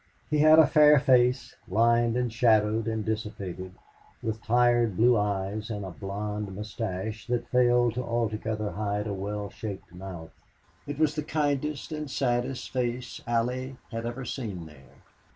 He had a fair face, lined and shadowed and dissipated, with tired blue eyes and a blond mustache that failed to altogether hide a well shaped mouth. It was the kindest and saddest face Allie had ever seen there.